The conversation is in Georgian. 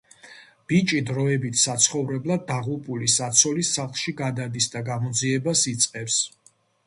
ბიჭი დროებით საცხოვრებლად დაღუპული საცოლის სახლში გადადის და გამოძიებას იწყებს.